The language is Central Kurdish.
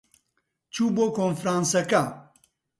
چوو بۆ کۆنفرانسەکە.